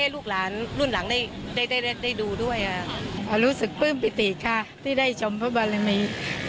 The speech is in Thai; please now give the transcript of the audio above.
รู้สึกปื้มปิติค่ะที่ได้ชมพระบารมี